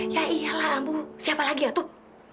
ya iyalah lampu siapa lagi ya tuh